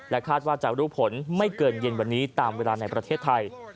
คาดว่าจะรู้ผลไม่เกินเย็นวันนี้ตามเวลาในประเทศไทย